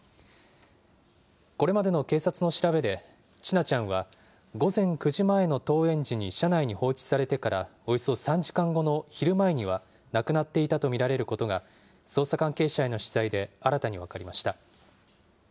これまでの警察の調べで千奈ちゃんは午前９時前の登園時に車内に放置されてからおよそ３時間後の昼前には亡くなっていたと見られることが、捜査関係者への取材で新たに分かりました。